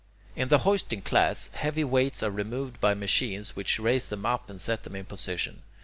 In the hoisting class, heavy weights are removed by machines which raise them up and set them in position.